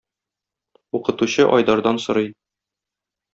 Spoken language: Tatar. Укытучы Айдардан сорый